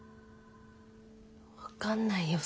分かんないよ